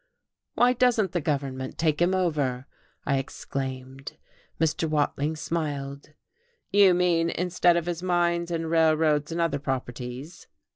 "Why doesn't the government take him over?" I exclaimed. Mr. Watling smiled. "You mean, instead of his mines and railroads and other properties?"